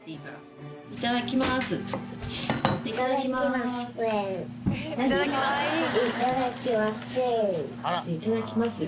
いただきますよ。